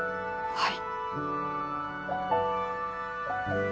はい。